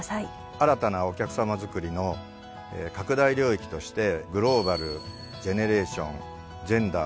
新たなお客さまづくりの拡大領域としてグローバルジェネレーションジェンダー